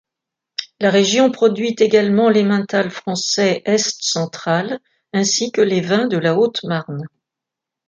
La région produit également l'emmental français Est-Central, ainsi que les vins de la Haute-Marne.